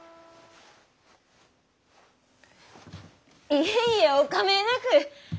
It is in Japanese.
いえいえお構えなく！